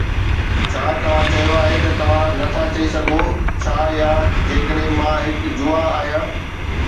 ڇا توهان چيو آهي ته توهان نٿا چئي سگهو 'ڇا يا جيڪڏهن مان هڪ جوا آهيان؟